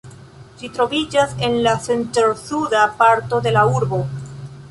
Ĝi troviĝas en la centr-suda parto de la urbo.